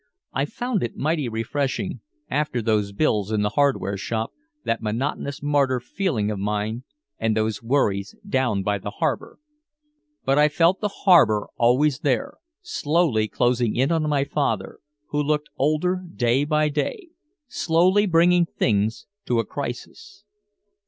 I found it mighty refreshing, after those bills in the hardware shop, that monotonous martyr feeling of mine and those worries down by the harbor. But I felt the harbor always there, slowly closing in on my father, who looked older day by day, slowly bringing things to a crisis.